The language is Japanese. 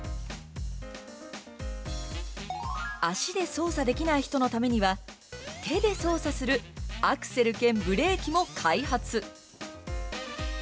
足で操作できない人のためには手で操作するアクセル兼ブレーキも開発。